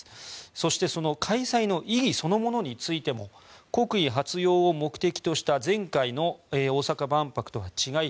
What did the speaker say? そして開催の意義そのものについても国威発揚を目的とした前回の大阪万博とは違い